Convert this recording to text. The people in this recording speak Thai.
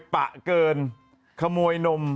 ปะเกินขโมยนม